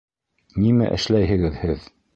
Нимә эшләйһегеҙ һеҙ?